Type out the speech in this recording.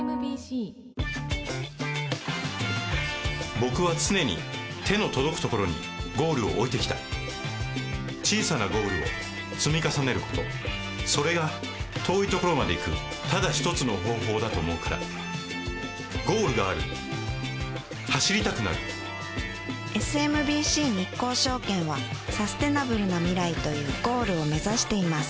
僕は常に手の届くところにゴールを置いてきた小さなゴールを積み重ねることそれが遠いところまで行くただ一つの方法だと思うからゴールがある走りたくなるＳＭＢＣ日興証券はサステナブルな未来というゴールを目指しています